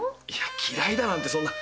嫌いだなんてそんな。